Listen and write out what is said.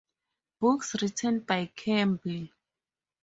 Books written by Kamble